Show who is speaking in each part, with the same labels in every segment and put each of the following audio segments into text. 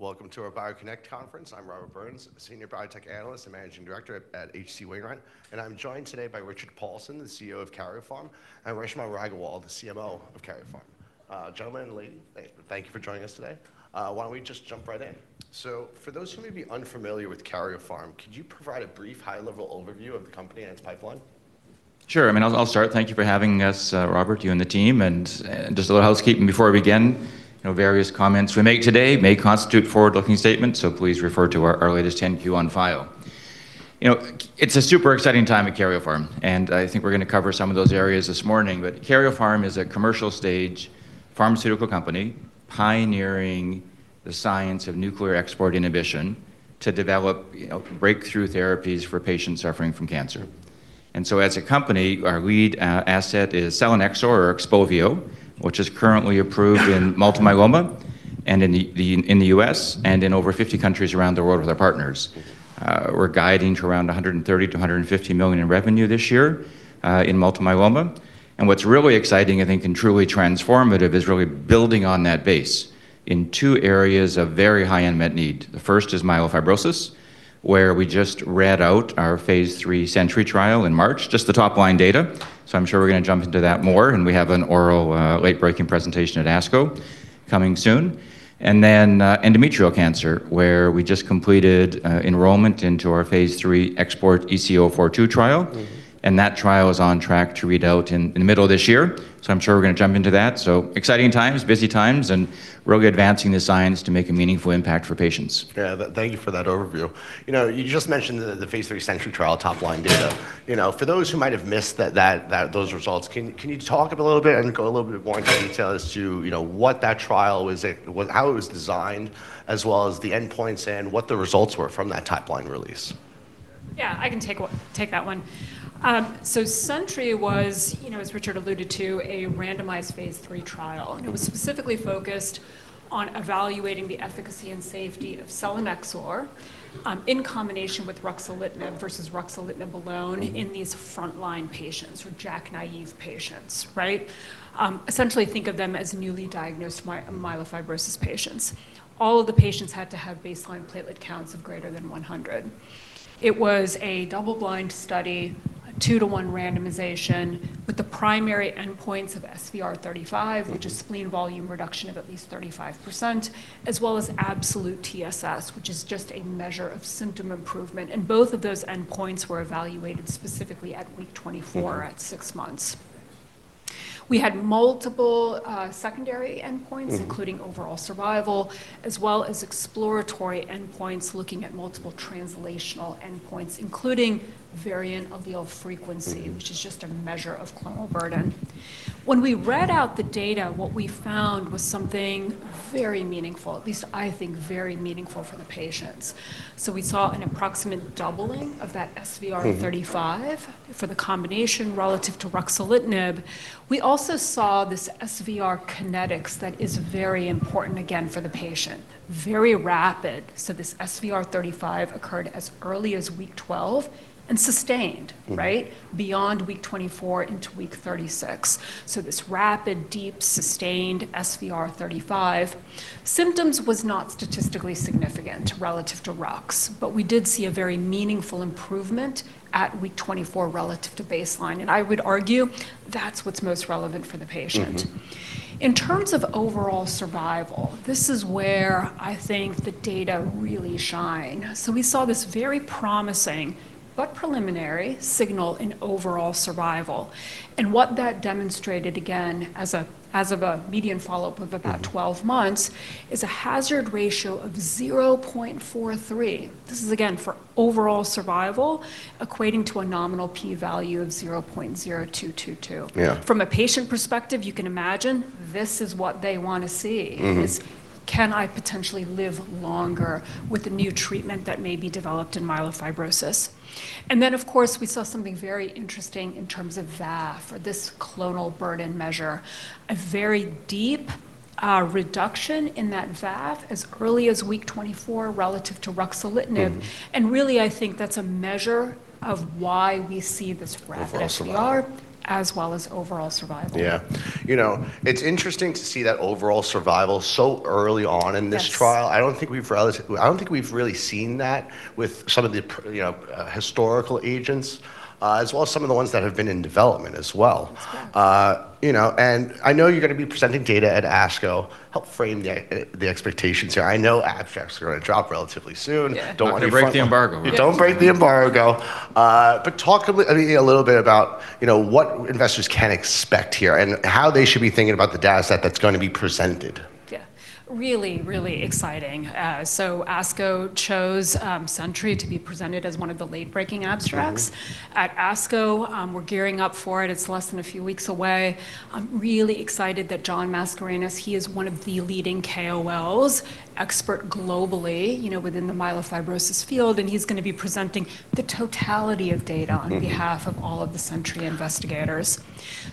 Speaker 1: Welcome to our BioConnect Conference. I'm Robert Burns, a Senior Biotech Analyst and Managing Director at H.C. Wainwright, and I'm joined today by Richard Paulson, the CEO of Karyopharm, and, the CMO of Karyopharm. Gentlemen, lady, thank you for joining us today. Why don't we just jump right in? For those who may be unfamiliar with Karyopharm, could you provide a brief high-level overview of the company and its pipeline?
Speaker 2: Sure. I mean, I'll start. Thank you for having us, Robert, you and the team. Just a little housekeeping before I begin, you know, various comments we make today may constitute forward-looking statements, so please refer to our latest 10-Q on file. You know, it's a super exciting time at Karyopharm, I think we're gonna cover some of those areas this morning. Karyopharm is a commercial stage pharmaceutical company pioneering the science of nuclear export inhibition to develop, you know, breakthrough therapies for patients suffering from cancer. As a company, our lead asset is selinexor or XPOVIO, which is currently approved in multiple myeloma and in the U.S. and in over 50 countries around the world with our partners. We're guiding to around $130 million-$150 million in revenue this year in multiple myeloma. What's really exciting, I think, and truly transformative is really building on that base in two areas of very high unmet need. The first is myelofibrosis, where we just read out our phase III SENTRY trial in March, just the top line data. I'm sure we're gonna jump into that more. We have an oral, late breaking presentation at ASCO coming soon. Endometrial cancer, where we just completed enrollment into our phase III XPORT-EC-042 trial. That trial is on track to read out in the middle of this year. I'm sure we're gonna jump into that. Exciting times, busy times, really advancing the science to make a meaningful impact for patients.
Speaker 1: Yeah, thank you for that overview. You know, you just mentioned the phase III SENTRY trial top line data. You know, for those who might have missed that, those results, can you talk a little bit and go a little bit more into detail as to, you know, what that trial was, how it was designed, as well as the endpoints and what the results were from that top line release?
Speaker 3: Yeah, I can take that one. SENTRY was, you know, as Richard alluded to, a randomized phase III trial. It was specifically focused on evaluating the efficacy and safety of selinexor in combination with ruxolitinib versus ruxolitinib alone in these front-line patients or JAK-naïve patients, right? Essentially think of them as newly diagnosed myelofibrosis patients. All of the patients had to have baseline platelet counts of greater than 100. It was a double-blind study, 2:1 randomization, with the primary endpoints of SVR35. which is spleen volume reduction of at least 35%, as well as absolute TSS, which is just a measure of symptom improvement. Both of those endpoints were evaluated specifically at week 24 at six months. We had multiple secondary endpoints including overall survival, as well as exploratory endpoints looking at multiple translational endpoints, including variant allele frequency. Which is just a measure of clonal burden. When we read out the data, what we found was something very meaningful, at least I think very meaningful for the patients. We saw an approximate doubling of that SVR35 for the combination relative to ruxolitinib. We also saw this SVR kinetics that is very important, again, for the patient, very rapid. This SVR35 occurred as early as week 12 and sustained, right? Beyond week 24 into week 36. This rapid, deep, sustained SVR35. Symptoms was not statistically significant relative to. We did see a very meaningful improvement at week 24 relative to baseline, and I would argue that's what's most relevant for the patient. In terms of overall survival, this is where I think the data really shine. We saw this very promising, but preliminary signal in overall survival, and what that demonstrated, again, as of a median follow-up. 12 months, is a hazard ratio of 0.43, this is again for overall survival, equating to a nominal P value of 0.0222.
Speaker 1: Yeah.
Speaker 3: From a patient perspective, you can imagine this is what they wanna see is can I potentially live longer with a new treatment that may be developed in myelofibrosis? Of course, we saw something very interesting in terms of VAF or this clonal burden measure, a very deep reduction in that VAF as early as week 24 relative to ruxolitinib. Really, I think that's a measure of why we see this.
Speaker 1: Overall survival
Speaker 3: SVR as well as overall survival.
Speaker 1: Yeah. You know, it's interesting to see that overall survival so early on in this trial.
Speaker 3: Yes.
Speaker 1: I don't think we've really seen that with some of the you know, historical agents, as well as some of the ones that have been in development as well.
Speaker 3: Yes.
Speaker 1: You know, I know you're gonna be presenting data at ASCO. Help frame the expectations here. I know abstracts are gonna drop relatively soon.
Speaker 2: Yeah. Don't break the embargo.
Speaker 1: Don't break the embargo. Talk a little bit about, you know, what investors can expect here and how they should be thinking about the dataset that's going to be presented.
Speaker 3: Yeah. Really, really exciting. ASCO chose SENTRY to be presented as one of the late breaking abstracts—
Speaker 1: Okay.
Speaker 3: —at ASCO. We're gearing up for it. It's less than a few weeks away. I'm really excited that John Mascarenhas, he is one of the leading KOLs, expert globally, you know, within the myelofibrosis field, and he's gonna be presenting the totality of data. on behalf of all of the SENTRY investigators.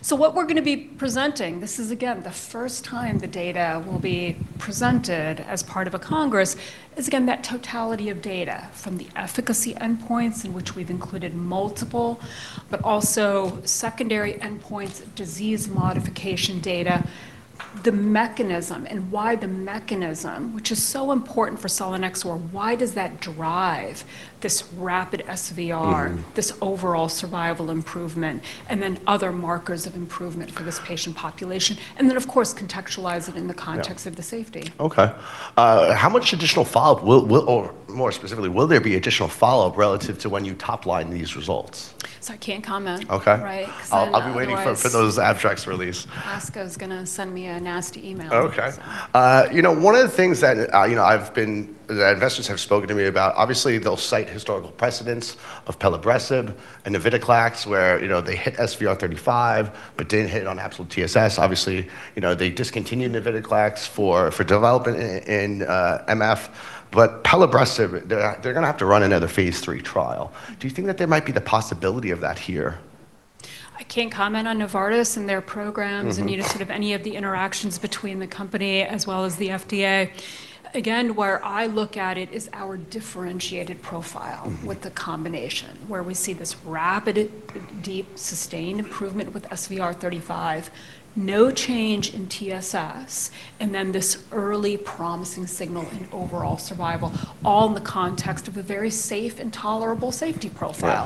Speaker 3: What we're gonna be presenting, this is again, the first time the data will be presented as part of a congress. Is again that totality of data from the efficacy endpoints in which we've included multiple, but also secondary endpoints, disease modification data, the mechanism, and why the mechanism, which is so important for selinexor, why does that drive this rapid SVR, this overall survival improvement, and then other markers of improvement for this patient population, and then of course contextualize it in the context—
Speaker 1: Yeah.
Speaker 3: —of the safety.
Speaker 1: Okay. how much additional follow-up or more specifically, will there be additional follow-up relative to when you top line these results?
Speaker 3: I can't comment.
Speaker 1: Okay.
Speaker 3: Right?
Speaker 1: I'll be waiting for those abstracts release.
Speaker 3: ASCO's gonna send me a nasty email.
Speaker 1: Okay.
Speaker 3: So.
Speaker 1: You know, one of the things that, you know, investors have spoken to me about, obviously they'll cite historical precedents of pelabresib and navitoclax where, you know, they hit SVR35 but didn't hit it on absolute TSS. Obviously, you know, they discontinued navitoclax for development in MF, but pelabresib, they're gonna have to run another phase III trial. Do you think that there might be the possibility of that here?
Speaker 3: I can't comment on Novartis and their programs. You know, sort of any of the interactions between the company as well as the FDA. Again, where I look at it is our differentiated profile with the combination where we see this rapid, deep, sustained improvement with SVR35, no change in TSS, and then this early promising signal in overall survival, all in the context of a very safe and tolerable safety profile.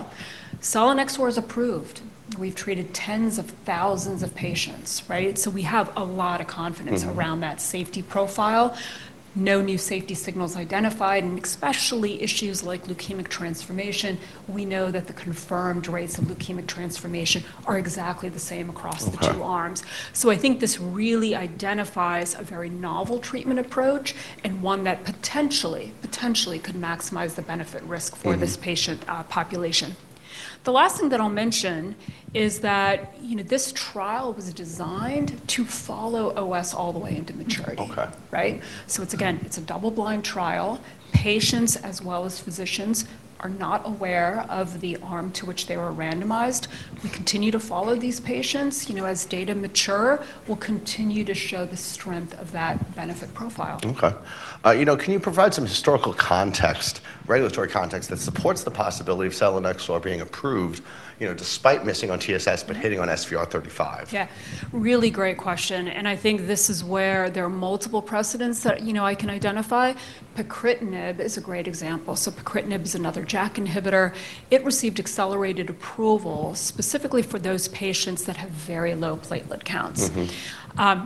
Speaker 1: Right.
Speaker 3: Selinexor is approved. We've treated tens of thousands of patients, right? We have a lot of confidence around that safety profile. No new safety signals identified, especially issues like leukemic transformation. We know that the confirmed rates of leukemic transformation are exactly the same across the two arms.
Speaker 1: Okay.
Speaker 3: I think this really identifies a very novel treatment approach and one that potentially could maximize the benefit risk for this patient population. The last thing that I'll mention is that, you know, this trial was designed to follow OS all the way into maturity.
Speaker 1: Okay.
Speaker 3: Right? It's again, it's a double-blind trial. Patients as well as physicians are not aware of the arm to which they were randomized. We continue to follow these patients. You know, as data mature, we'll continue to show the strength of that benefit profile.
Speaker 1: Okay. you know, can you provide some historical context, regulatory context that supports the possibility of selinexor being approved, you know, despite missing on TSS? Hitting on SVR35?
Speaker 3: Yeah. Really great question, and I think this is where there are multiple precedents that, you know, I can identify. Pacritinib is a great example. Pacritinib is another JAK inhibitor. It received accelerated approval specifically for those patients that have very low platelet counts.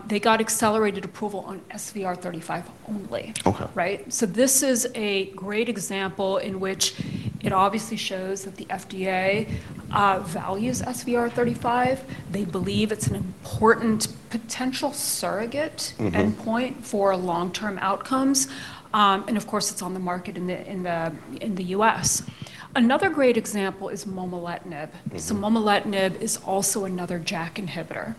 Speaker 3: They got accelerated approval on SVR35 only.
Speaker 1: Okay.
Speaker 3: Right? This is a great example in which it obviously shows that the FDA values SVR35. They believe it's an important potential surrogate endpoint for long-term outcomes. Of course, it's on the market in the U.S. Another great example is momelotinib. Momelotinib is also another JAK inhibitor.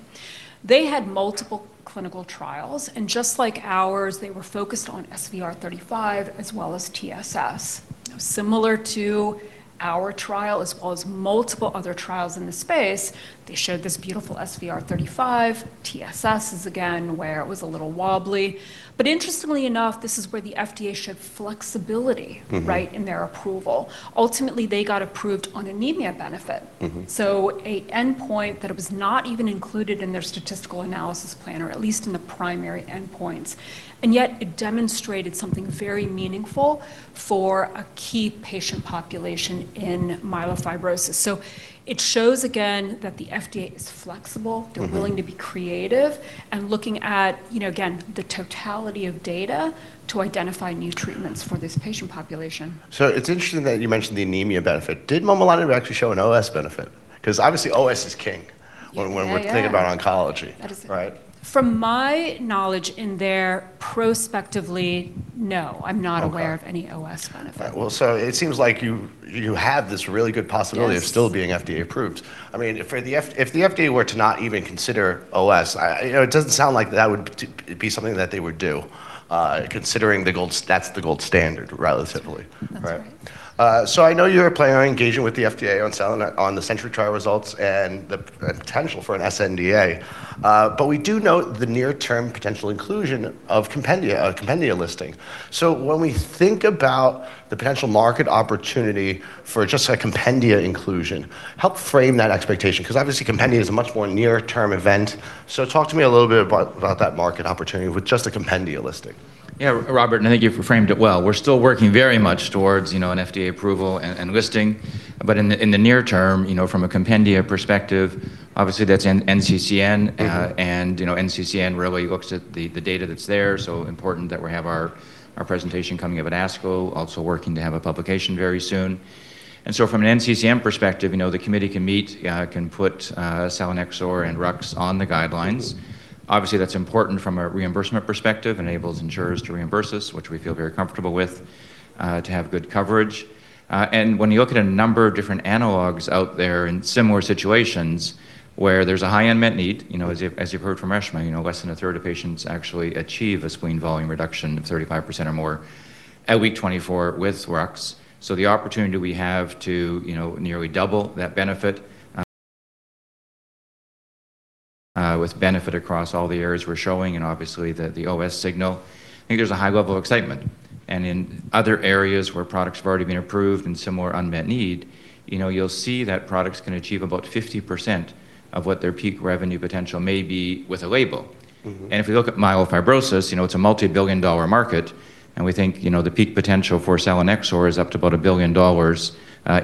Speaker 3: They had multiple clinical trials, and just like ours, they were focused on SVR35 as well as TSS. Similar to our trial as well as multiple other trials in the space, they showed this beautiful SVR35. TSS is again where it was a little wobbly. Interestingly enough, this is where the FDA showed flexibility right, in their approval. Ultimately, they got approved on anemia benefit. A endpoint that was not even included in their statistical analysis plan or at least in the primary endpoints, and yet it demonstrated something very meaningful for a key patient population in myelofibrosis. It shows again that the FDA is flexible. They're willing to be creative, and looking at, you know, again, the totality of data to identify new treatments for this patient population.
Speaker 1: It's interesting that you mentioned the anemia benefit. Did momelotinib actually show an OS benefit? 'Cause obviously, OS is king—
Speaker 3: Yeah.
Speaker 1: —when we're thinking about oncology.
Speaker 3: That is it.
Speaker 1: Right?
Speaker 3: From my knowledge in their prospectively, no.
Speaker 1: Okay.
Speaker 3: I'm not aware of any OS benefit.
Speaker 1: Well, it seems like you have this really good possibility—
Speaker 3: Yes.
Speaker 1: —of still being FDA approved. I mean, if the FDA were to not even consider OS, I, you know, it doesn't sound like that would be something that they would do, considering that's the gold standard relatively.
Speaker 3: That's right.
Speaker 1: Right? I know you're planning on engaging with the FDA on selinexor trial results and the potential for an sNDA. We do note the near-term potential inclusion of compendia, a compendia listing. When we think about the potential market opportunity for just a compendia inclusion, help frame that expectation because obviously compendia is a much more near-term event. Talk to me a little bit about that market opportunity with just a compendia listing.
Speaker 2: Yeah, Robert, I think you've framed it well. We're still working very much towards, you know, an FDA approval and listing. In the near term, you know, from a compendia perspective, obviously that's NCCN. You know, NCCN really looks at the data that's there. Important that we have our presentation coming up at ASCO, also working to have a publication very soon. From an NCCN perspective, you know, the committee can meet, can put selinexor and rux on the guidelines. Obviously, that's important from a reimbursement perspective, enables insurers to reimburse us, which we feel very comfortable with, to have good coverage. When you look at a number of different analogs out there in similar situations where there's a high unmet need, you know, as you've, as you've heard from Reshma, you know, less than a third of patients actually achieve a spleen volume reduction of 35% or more at week 24 with rux. The opportunity we have to, you know, nearly double that benefit, with benefit across all the areas we're showing and obviously the OS signal, I think there's a high level of excitement. In other areas where products have already been approved and some more unmet need, you know, you'll see that products can achieve about 50% of what their peak revenue potential may be with a label. If you look at myelofibrosis, you know, it's a multi-billion dollar market, and we think, you know, the peak potential for selinexor is up to about $1 billion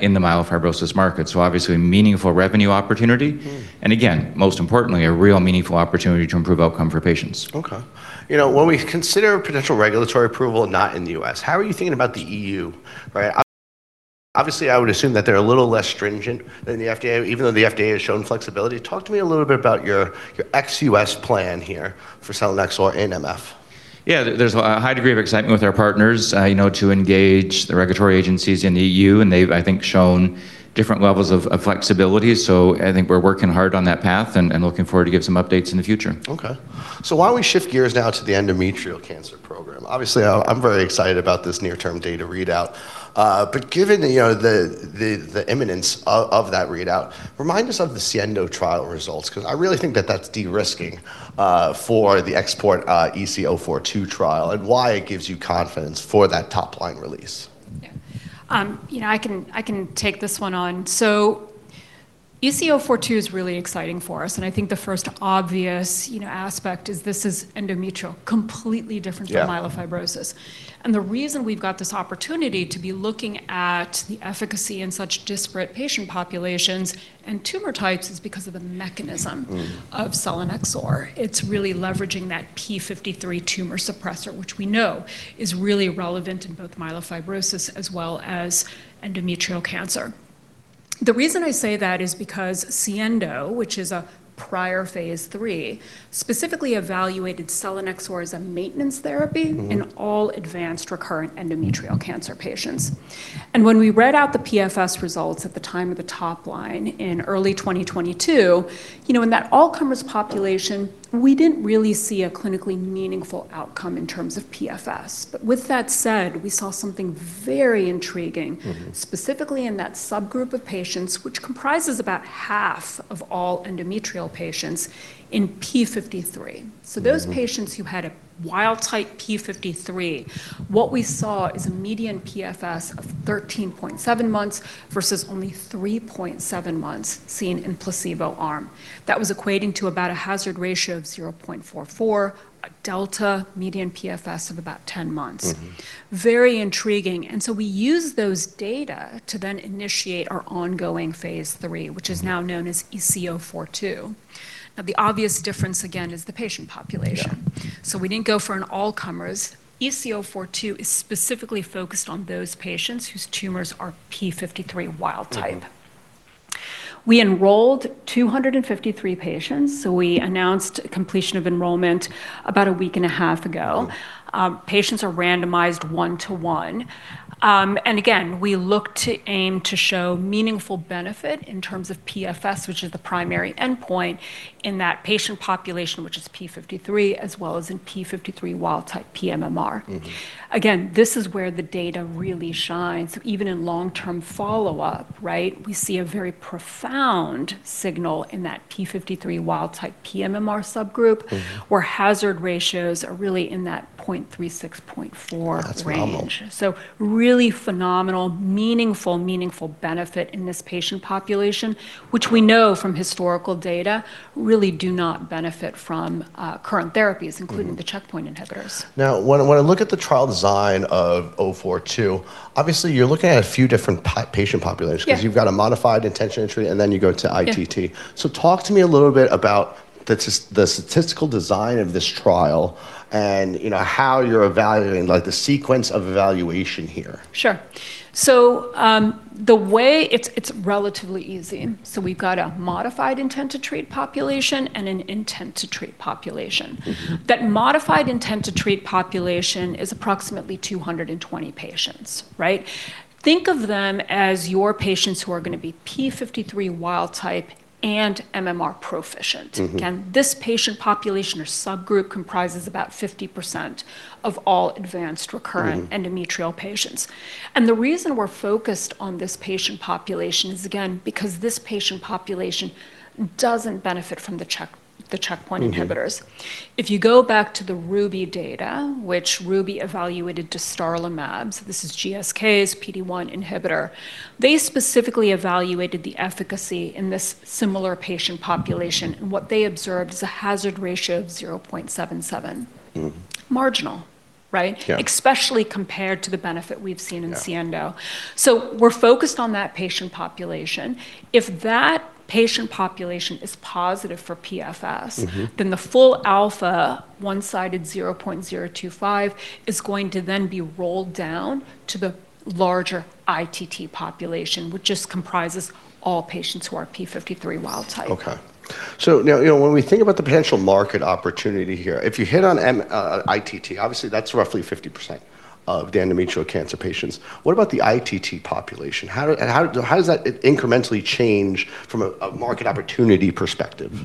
Speaker 2: in the myelofibrosis market. Obviously meaningful revenue opportunity. Again, most importantly, a real meaningful opportunity to improve outcome for patients.
Speaker 1: Okay. You know, when we consider potential regulatory approval not in the U.S., how are you thinking about the EU, right? Obviously, I would assume that they're a little less stringent than the FDA, even though the FDA has shown flexibility. Talk to me a little bit about your ex-U.S. plan here for selinexor in MF.
Speaker 2: Yeah, there's a high degree of excitement with our partners, you know, to engage the regulatory agencies in EU, and they've, I think, shown different levels of flexibility. I think we're working hard on that path and looking forward to give some updates in the future.
Speaker 1: Why don't we shift gears now to the endometrial cancer program? Obviously, I'm very excited about this near-term data readout. Given, you know, the imminence of that readout, remind us of the SIENDO trial results, because I really think that that's de-risking for the XPORT-EC-042 trial, and why it gives you confidence for that top line release.
Speaker 3: Yeah. you know, I can take this one on. ECO42 is really exciting for us, and I think the first obvious, you know, aspect is this is endometrial—
Speaker 1: Yeah.
Speaker 3: —from myelofibrosis. The reason we've got this opportunity to be looking at the efficacy in such disparate patient populations and tumor types is because of the mechanism of selinexor. It's really leveraging that p53 tumor suppressor, which we know is really relevant in both myelofibrosis as well as endometrial cancer. The reason I say that is because SIENDO, which is a prior phase III, specifically evaluated selinexor as a maintenance therapy in all advanced recurrent endometrial cancer patients. When we read out the PFS results at the time of the top line in early 2022, you know, in that all-comers population, we didn't really see a clinically meaningful outcome in terms of PFS. With that said, we saw something very intriguing specifically in that subgroup of patients, which comprises about half of all endometrial patients in p53. Those patients who had a wild-type p53, what we saw is a median PFS of 13.7 months versus only 3.7 months seen in placebo arm. That was equating to about a hazard ratio of 0.44, a delta median PFS of about 10 months. Very intriguing. We used those data to then initiate our ongoing phase III, which is now known as ECO42. The obvious difference again is the patient population.
Speaker 1: Yeah.
Speaker 3: We didn't go for an all-comers. ECO42 is specifically focused on those patients whose tumors are p53 wild type. We enrolled 253 patients. We announced completion of enrollment about a week and a half ago. Patients are randomized 1:1. Again, we look to aim to show meaningful benefit in terms of PFS, which is the primary endpoint in that patient population, which is p53, as well as in p53 wild type pMMR. Again, this is where the data really shines. Even in long-term follow-up, right, we see a very profound signal in that p53 wild type pMMR subgroup where hazard ratios are really in that 0.36-0.4 range.
Speaker 1: That's phenomenal.
Speaker 3: Really phenomenal, meaningful benefit in this patient population, which we know from historical data really do not benefit from, current therapies including the checkpoint inhibitors.
Speaker 1: When I look at the trial design of 042, obviously you're looking at a few different patient populations.
Speaker 3: Yeah
Speaker 1: You've got a modified intention entry, and then you go to ITT.
Speaker 3: Yeah.
Speaker 1: Talk to me a little bit about the statistical design of this trial and, you know, how you're evaluating, like the sequence of evaluation here?
Speaker 3: Sure. It's relatively easy. We've got a modified intention-to-treat population and an intention-to-treat population That modified intent to treat population is approximately 220 patients, right? Think of them as your patients who are going to be p53 wild type and MMR proficient. Again, this patient population or subgroup comprises about 50% of all advanced recurrent endometrial patients. The reason we're focused on this patient population is, again, because this patient population doesn't benefit from the checkpoint inhibitors. If you go back to the RUBY data, which RUBY evaluated dostarlimab, so this is GSK's PD-1 inhibitor, they specifically evaluated the efficacy in this similar patient population. What they observed is a hazard ratio of 0.77. Marginal, right?
Speaker 1: Yeah.
Speaker 3: Especially compared to the benefit we've seen in SIENDO.
Speaker 1: Yeah.
Speaker 3: We're focused on that patient population. If that patient population is positive for PFS. The full alpha one-sided 0.025 is going to then be rolled down to the larger ITT population, which just comprises all patients who are p53 wild type.
Speaker 1: Okay. Now, you know, when we think about the potential market opportunity here, if you hit on mITT, obviously that's roughly 50% of the endometrial cancer patients. What about the ITT population? How do, how does that incrementally change from a market opportunity perspective?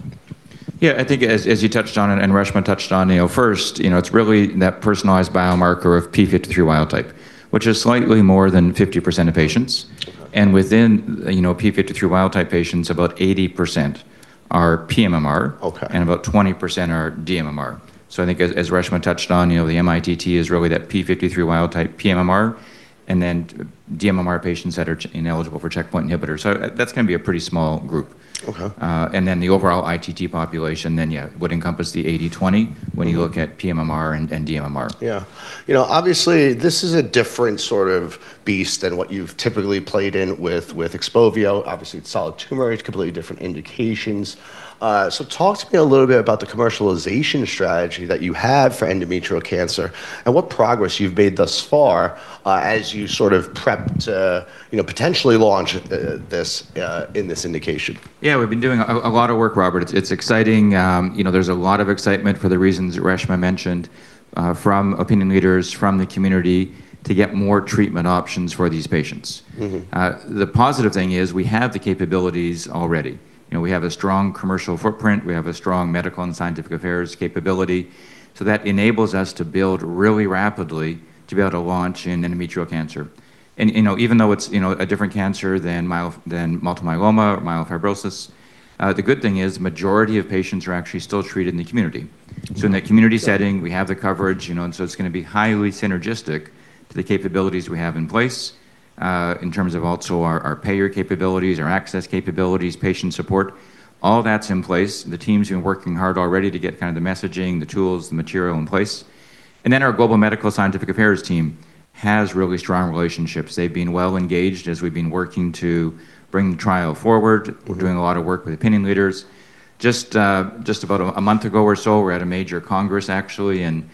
Speaker 2: Yeah, I think as you touched on and Reshma touched on, you know, first, you know, it's really that personalized biomarker of p53 wild type, which is slightly more than 50% of patients.
Speaker 1: Okay.
Speaker 2: Within, you know, p53 wild type patients, about 80% are pMMR.
Speaker 1: Okay
Speaker 2: About 20% are dMMR. I think as Reshma touched on, you know, the mITT is really that p53 wild type pMMR, and then dMMR patients that are ineligible for checkpoint inhibitors. That's gonna be a pretty small group.
Speaker 1: Okay.
Speaker 2: The overall ITT population then, yeah, would encompass the 80/20 when you look at pMMR and dMMR.
Speaker 1: Yeah. You know, obviously, this is a different sort of beast than what you've typically played in with XPOVIO. Obviously, it's solid tumor. It's completely different indications. Talk to me a little bit about the commercialization strategy that you have for endometrial cancer and what progress you've made thus far, as you sort of prep to, you know, potentially launch this in this indication.
Speaker 2: Yeah, we've been doing a lot of work, Robert. It's exciting. You know, there's a lot of excitement for the reasons Reshma mentioned, from opinion leaders from the community to get more treatment options for these patients. The positive thing is we have the capabilities already. You know, we have a strong commercial footprint. We have a strong medical and scientific affairs capability. That enables us to build really rapidly to be able to launch in endometrial cancer. You know, even though it's, you know, a different cancer than multiple myeloma or myelofibrosis, the good thing is majority of patients are actually still treated in the community. In that community setting, we have the coverage, you know, it's gonna be highly synergistic to the capabilities we have in place, in terms of also our payer capabilities, our access capabilities, patient support. All that's in place. The team's been working hard already to get kind of the messaging, the tools, the material in place. Our global medical scientific affairs team has really strong relationships. They've been well engaged as we've been working to bring the trial forward. We're doing a lot of work with opinion leaders. Just about a month ago or so, we were at a major congress actually in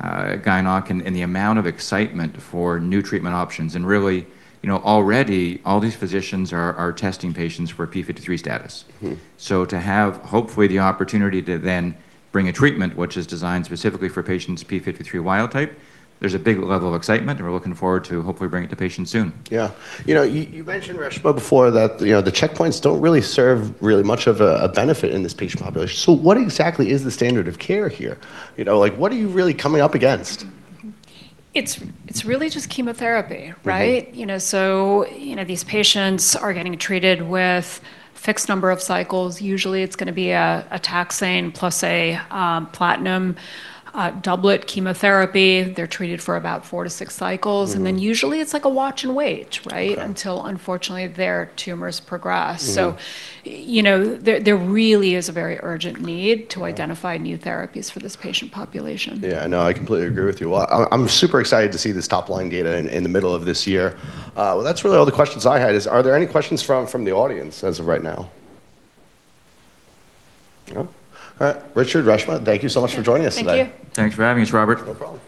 Speaker 2: SGO, and the amount of excitement for new treatment options and really, you know, already all these physicians are testing patients for p53 status. To have, hopefully, the opportunity to then bring a treatment which is designed specifically for patients p53 wild type, there's a big level of excitement, and we're looking forward to hopefully bringing it to patients soon.
Speaker 1: Yeah. You know, you mentioned, Reshma, before that, you know, the checkpoints don't really serve much of a benefit in this patient population. What exactly is the standard of care here? You know, like, what are you really coming up against?
Speaker 3: It's really just chemotherapy, right? You know, these patients are getting treated with fixed number of cycles. Usually, it's gonna be a taxane plus a platinum doublet chemotherapy. They're treated for about four to six cycles. Usually it's like a watch and wait, right?
Speaker 1: Okay.
Speaker 3: Until, unfortunately, their tumors progress. You know, there really is a very urgent need to identify new therapies for this patient population.
Speaker 1: Yeah, no, I completely agree with you. Well, I'm super excited to see this top-line data in the middle of this year. Well, that's really all the questions I had. Are there any questions from the audience as of right now? No? All right. Richard, Reshma, thank you so much for joining us today.
Speaker 3: Thank you.
Speaker 2: Thanks for having us, Robert.
Speaker 1: No problem.